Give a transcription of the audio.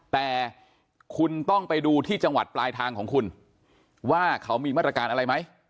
แต่คุณต้องไปดูที่จังหวัดปลายทางของคุณว่าเขามีมาตรการอะไรไหม